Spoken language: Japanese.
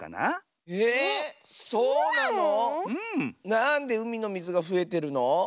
なんでうみのみずがふえてるの？